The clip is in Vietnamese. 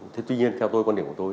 thế tuy nhiên theo tôi quan điểm của tôi